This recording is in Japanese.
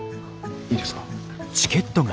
いいですか？